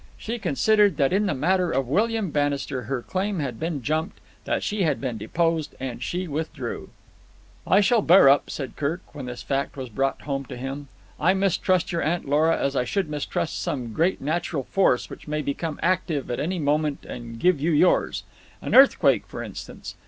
She considered that in the matter of William Bannister her claim had been jumped, that she had been deposed; and she withdrew. "I shall bear up," said Kirk, when this fact was brought home to him. "I mistrust your Aunt Lora as I should mistrust some great natural force which may become active at any moment and give you yours. An earthquake, for instance.